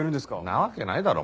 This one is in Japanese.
なわけないだろ。